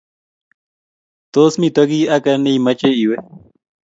tos mito kiy age ne imeche i we?